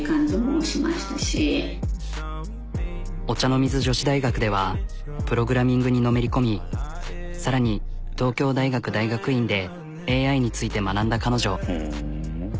お茶の水女子大学ではプログラミングにのめり込みさらに東京大学大学院でＡＩについて学んだ彼女。